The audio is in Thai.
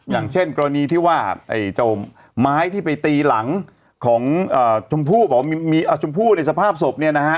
อย่างเช่นกรณีที่ว่าเจ้าไม้ที่ไปตีหลังของชมพู่บอกว่ามีชมพู่ในสภาพศพเนี่ยนะฮะ